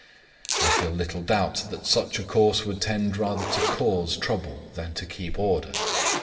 I feel little doubt that such a course would tend rather to cause trouble than to keep order.